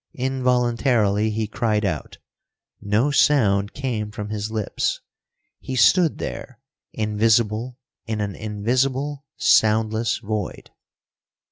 Involuntarily he cried out. No sound came from his lips. He stood there, invisible in an invisible, soundless void.